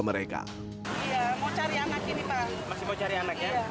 mereka menyebarkan hilang atau terpisah dari orang tua mereka